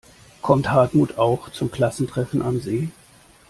Kommt Hartmut auch zum Klassentreffen am See?